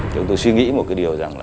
chúng tôi suy nghĩ một cái điều rằng là